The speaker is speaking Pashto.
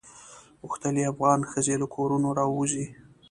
غوښتل یې افغان ښځې له کورونو راووزي.